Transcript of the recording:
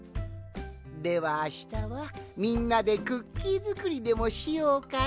ではあしたはみんなでクッキーづくりでもしようかの。